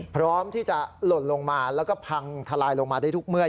พร้อมที่จะหล่นลงมาแล้วก็พังทลายลงมาได้ทุกเมื่อย